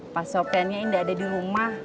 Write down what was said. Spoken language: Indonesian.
pak sofiannya ini gak ada di rumah